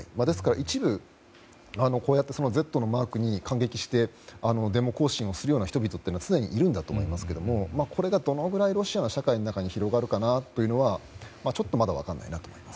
ですから、一部、こうやって「Ｚ」のマークに感激してデモ行進をするような人々はすでにいるんだと思いますがこれがどのくらいロシアの社会に広がるかはちょっとまだ分からないなと。